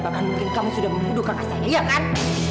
bahkan mungkin kamu sudah membuduk kakak saya iya kan